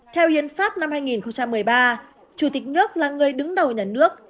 theo hiến pháp năm hai nghìn một mươi ba chủ tịch nước là người đứng đầu nhà nước